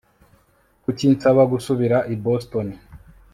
Kuki nsabwa gusubira i Boston